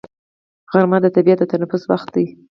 غرمه د طبیعت د تنفس وخت دی